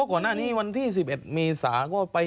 ก่อนหน้านี้วันที่๑๑เมษาก็ไป